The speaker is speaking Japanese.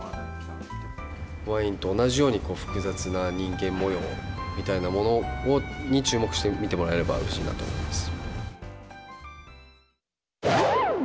ワインと同じように、複雑な人間もようみたいなものに注目して見てもらえればうれしいなと思います。